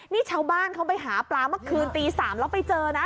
นี่ชาวบ้านเขาไปหาปลาเมื่อคืนตี๓แล้วไปเจอนะ